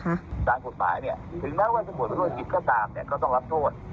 จากผู้ตายถึงแม้ว่าจะหมดเป็นโรคกิจก็ตามก็ต้องรับโทษ